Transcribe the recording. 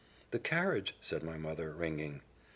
"The carriage," said my mother, ringing.